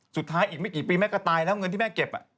สุดท้ายอีกไม่กี่ปีแม่ก็ตายแล้วเงินที่แม่เก็บ